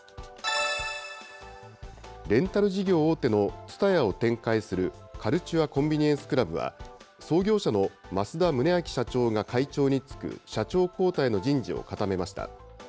レンタル事業大手のＴＳＵＴＡＹＡを展開するカルチュア・コンビニエンス・クラブは、創業者の増田宗昭社長が会長に就く社長交代の人事を固めました。